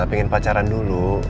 pingin pacaran dulu